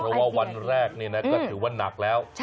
เพราะว่าวันแรกนี่นะก็ถือว่านักแล้ว